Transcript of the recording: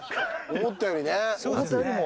思ったよりも。